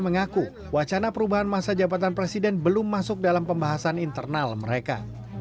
mengaku wacana perubahan masa jabatan presiden belum masuk dalam pembahasan internal mereka